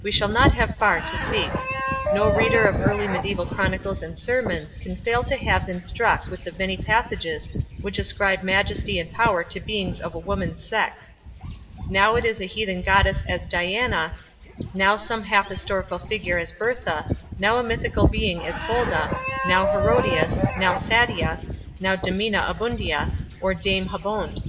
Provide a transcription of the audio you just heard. We shall not have far to seek. No reader of early medieval chronicles and sermons, can fail to have been struck with many passages which ascribe majesty and power to beings of woman's sex. Now it is a heathen goddess as Diana ; now some half historical character as Bertha ; now a mythical being as Holda ; now Herodias ; now Satia ; now Domina Abundia, or Dame Habonde.